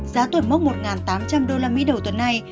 giá tuột mốc một tám trăm linh usd đầu tuần này